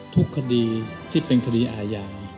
ทุกคดีที่เป็นคดีอาญา